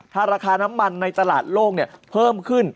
ถ้าราคาน้ำมันในตลาดโลกเพิ่มขึ้น